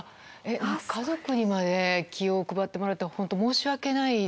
家族にまで気を配ってもらって申し訳ないです。